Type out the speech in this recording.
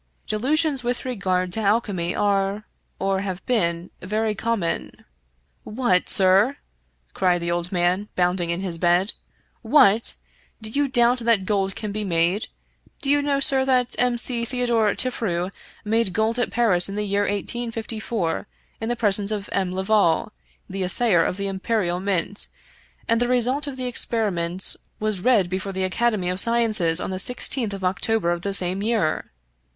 " Delusions with regard to alchemy are, or have been, very common " "What, sir?" cried the old man, bounding in his bed. " What? Do you doubt that gold can be made? Do you know, sir, that M. C. Theodore Tiflfereau made gold at Paris in the year 1854 in the presence of M. Levol, the assayer of the Imperial Mint, and the result of the experi ments was read before the Academy of Sciences on the sixteenth of October of the same year?